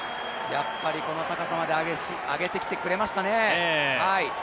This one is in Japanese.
やっぱりこの高さまで上げてきてくれましたね。